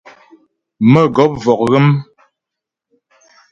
Mə̌gɔp vɔk ghə́m.